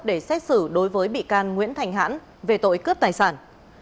để xét xử đối với bị can nguyễn thành hãn về tội cướp tài sản